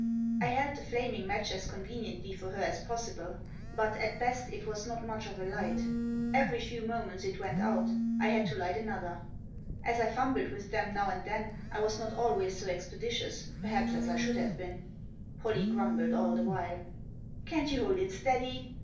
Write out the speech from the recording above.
I held the flaming match as conveniently for her as possible ; but, at best, it was not much of a light. Every few moments it went out ; I had to light another. As I fumbled with them now and then, I was not always so expeditious, perhaps, as I should have been. Pollie grumbled all the while. " Can't you hold it steady